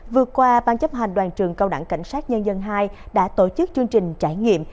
vừa qua ban chấp hành đoàn trường cao đẳng cảnh sát nhân dân hai đã tổ chức chương trình trải nghiệm